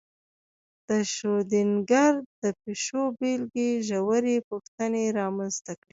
د شرودینګر د پیشو بېلګې ژورې پوښتنې رامنځته کړې.